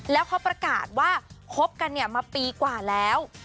แล้วเขาประกาศว่าคบกันมาปีกว่าแล้ว